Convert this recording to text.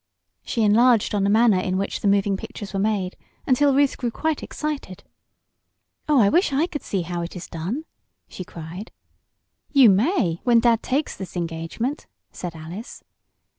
She enlarged on the manner in which the moving pictures were made, until Ruth grew quite excited. "Oh, I wish I could see how it is done!" she cried. "You may when dad takes this engagement," said Alice.